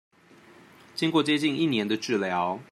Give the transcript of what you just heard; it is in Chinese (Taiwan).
經過接近一年的治療